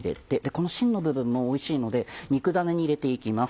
このしんの部分もおいしいので肉ダネに入れて行きます。